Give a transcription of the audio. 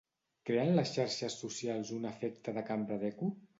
Creen les xarxes socials un efecte de cambra d'eco?